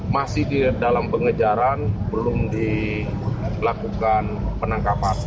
masih di dalam pengejaran belum dilakukan penangkapan